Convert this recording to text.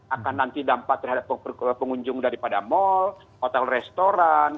akan nanti dampak terhadap pengunjung daripada mal hotel restoran